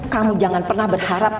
kamu jangan pernah berharap